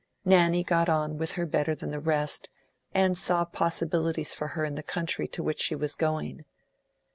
Nanny got on with her better than the rest, and saw possibilities for her in the country to which she was going.